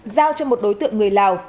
giao cho một đối tượng người lào